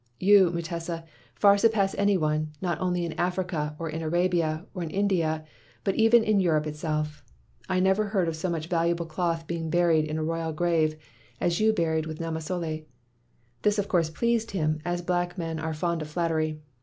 You, Mutesa, far surpass any one, not only in Africa, or in Arabia, or in India, but even in Europe itself. I never heard of so much valuable cloth being buried in a royal grave as you buried with Namasole.' This, of course, pleased him, as black men are fond of flattery.